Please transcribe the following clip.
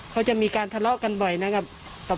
เขาจะมีการทะเลาะกันบ่อยนะครับ